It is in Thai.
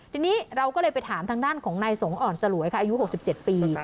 ทีนี้เราก็เลยไปถามทางด้านของนายสงฆ์อ่อนสลวยค่ะอายุ๖๗ปี